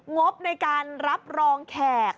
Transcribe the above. งบในการรับรองแขก